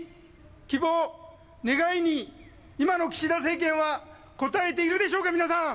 希望、願いに、今の岸田政権は応えているでしょうか皆さん。